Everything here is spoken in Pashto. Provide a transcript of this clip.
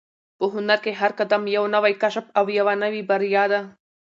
په هنر کې هر قدم یو نوی کشف او یوه نوې بریا ده.